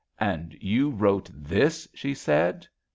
*^ And you wrote this I '^ she said.